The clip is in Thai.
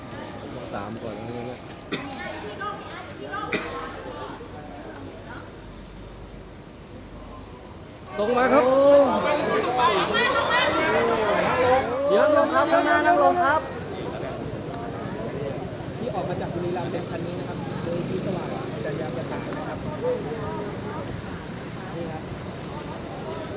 ตรงไหมครับตรงตรงไหมครับตรงตรงครับตรงตรงครับ